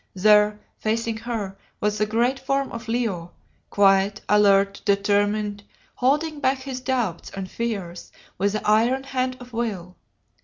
There, facing her, was the great form of Leo, quiet, alert, determined, holding back his doubts and fears with the iron hand of will.